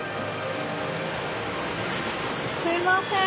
すいません。